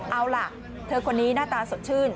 เอาล่ะเธอคนนี้หน้าตาสดชื่น